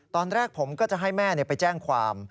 ตอนแรกผมก็จะให้แม่ไปแจ้งความ